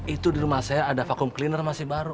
itu di rumah saya ada vakum cleaner masih baru